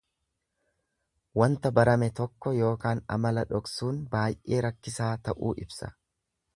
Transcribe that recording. Wanta barame tokko ykn amala dhoksuun baay'ee rakkisaa ta'uu ibsa.